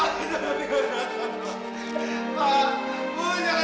alhamdulillah lumayan ya